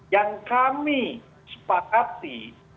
yang kami sepakati